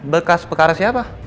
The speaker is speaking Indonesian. berkas perkara siapa